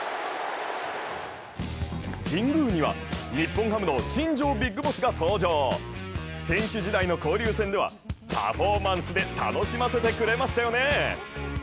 神宮には日本ハムの新庄ＢＩＧＢＯＳＳが登場、選手時代の交流戦ではパフォーマンスで楽しませてくれましたよね。